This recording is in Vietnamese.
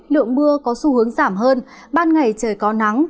lượng mưa có xu hướng giảm hơn ban ngày trời có nắng